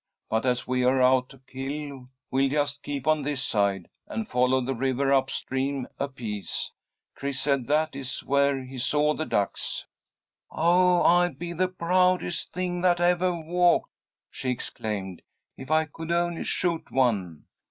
But, as we're out to kill, we'll just keep on this side, and follow the river up stream a piece. Chris said that is where he saw the ducks." "Oh, I'd be the proudest thing that evah walked," she exclaimed, "if I could only shoot one.